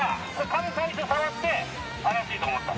壁最初触って怪しいと思った？